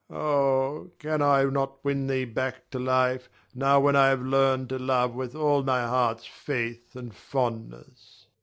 Oh, can I not win thee back to life now when I have learned to love with all my heart's faith and fondness.